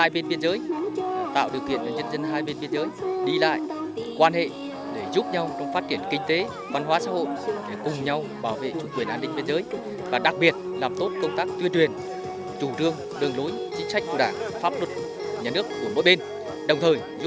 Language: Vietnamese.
bên biên giới việt nam lào nói chung